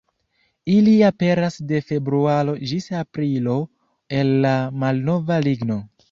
Ili aperas de februaro ĝis aprilo el la malnova ligno.